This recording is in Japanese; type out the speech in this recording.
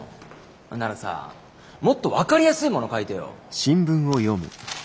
ならさもっと分かりやすいもの書いてよ。